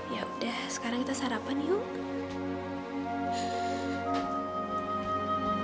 yaudah sekarang kita sarapan yuk